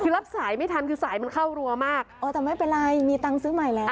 คือรับสายไม่ทันคือสายมันเข้ารัวมากเออแต่ไม่เป็นไรมีตังค์ซื้อใหม่แล้ว